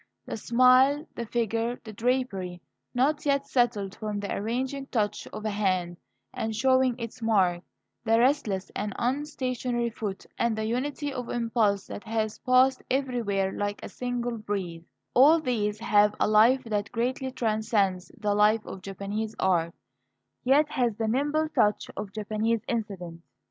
The smile, the figure, the drapery not yet settled from the arranging touch of a hand, and showing its mark the restless and unstationary foot, and the unity of impulse that has passed everywhere like a single breeze, all these have a life that greatly transcends the life of Japanese art, yet has the nimble touch of Japanese incident.